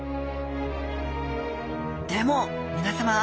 でもみなさま